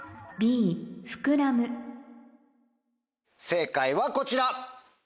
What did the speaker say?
正解はこちら。